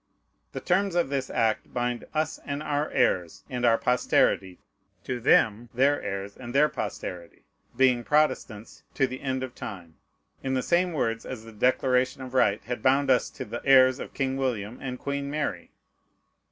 The terms of this act bind "us, and our heirs, and our posterity, to them, their heirs, and their posterity," being Protestants, to the end of time, in the same words as the Declaration of Right had bound us to the heirs of King William and Queen Mary.